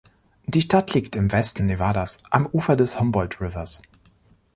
Die Stadt liegt im Westen Nevadas am Ufer des Humboldt Rivers.